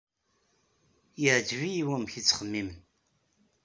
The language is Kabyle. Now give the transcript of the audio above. Yeɛjeb-iyi wamek ay ttxemmimen.